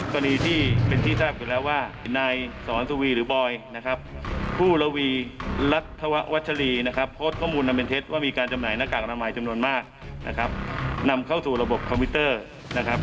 ก็เป็นที่ทราบอยู่แล้วว่านายสอนสุวีหรือบอยนะครับผู้ระวีรัฐวัชรีนะครับโพสต์ข้อมูลนำเป็นเท็จว่ามีการจำหน่ายหน้ากากอนามัยจำนวนมากนะครับนำเข้าสู่ระบบคอมพิวเตอร์นะครับ